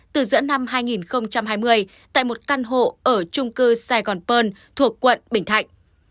từ giữa năm hai nghìn hai mươi tại một căn hộ ở trung cư saigon pearl thuộc quận bình thạnh